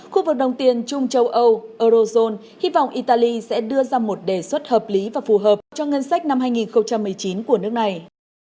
khu vực đồng tiền trung châu âu eurozone hy vọng italy sẽ đưa ra một đề xuất hợp lý và phù hợp cho ngân sách năm hai nghìn một mươi chín của nước này